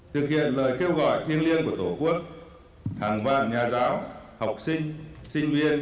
thực hiện lời kêu gọi thiêng liêng của tổ quốc hàng vạn nhà giáo học sinh sinh viên